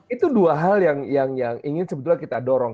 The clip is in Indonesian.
itu dua hal yang ingin sebetulnya kita dorong